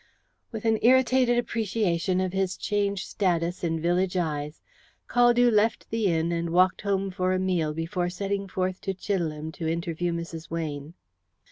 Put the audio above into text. With an irritated appreciation of his changed status in village eyes, Caldew left the inn and walked home for a meal before setting forth to Chidelham to interview Mrs. Weyne.